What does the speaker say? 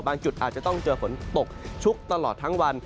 จุดอาจจะต้องเจอฝนตกชุกตลอดทั้งวัน